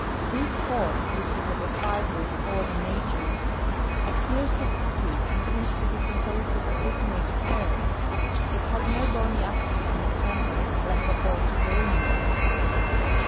This horn, which is of a fibrous, horny nature, adheres to the skin and seems to be com posed of agglutinated hairs ; it has no bony axis in its centre like the horns of the ruminants.